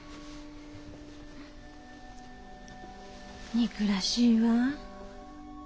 憎らしいわ。